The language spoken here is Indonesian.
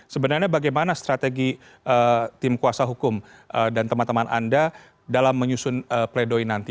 sebenarnya bagaimana strategi tim kuasa hukum dan teman teman anda dalam menyusun pledoi nanti